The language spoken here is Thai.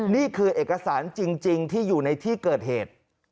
นี่คือเอกสารจริงที่อยู่ในที่เกิดเหตุ